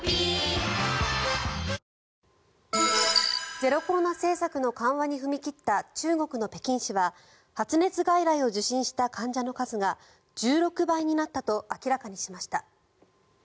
ゼロコロナ政策の緩和に踏み切った中国の北京市は発熱外来を受診した患者の数が１６倍になったと明らかにしました。